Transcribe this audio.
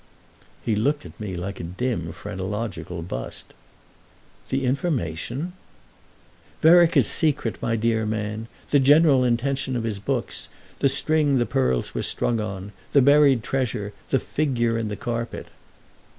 He looked at me like a dim phrenological bust. "The information—?" "Vereker's secret, my dear man—the general intention of his books: the string the pearls were strung on, the buried treasure, the figure in the carpet."